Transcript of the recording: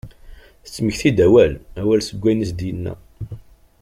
Tettmekti-d awal awal seg wayen i as-d-yenna.